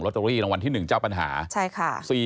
โรต้อรี่รางวัลที่หนึ่งเจ้าปัญหานะครับค่ะทุกคนนะครับ